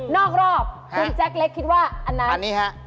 นอกรอบคุณแจ็คเล็กคิดว่าอันนั้น